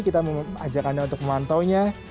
kita ajakannya untuk memantaunya